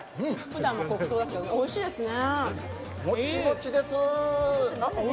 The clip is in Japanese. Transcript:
おいしいですね。